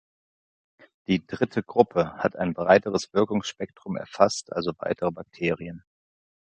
Die "dritte Gruppe" hat ein breiteres Wirkungsspektrum, erfasst also weitere Bakterien.